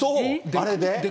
あれで？